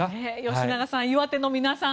吉永さん、岩手の皆さん